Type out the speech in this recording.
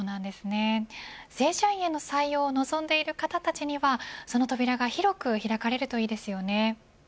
正社員への採用を望んでいる方たちにはその扉が広く開かれるといいですね。